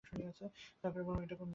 দয়া করে বলবেন এটা কোন জায়গা?